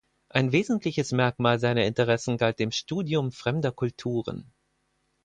Ein wesentliches Merkmal seiner Interessen galt dem Studium fremder Kulturen.